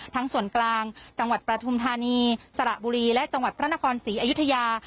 ทั้งส่วนกลางจังหวัดประธุมธานีสระบุรีและจังหวัดพระนครศรีอยุธยา